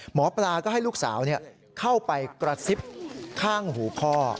หมอปลาก็ให้ลูกสาวเข้าไปกระซิบข้างหูพ่อ